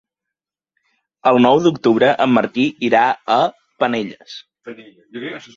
El nou d'octubre en Martí irà a Penelles.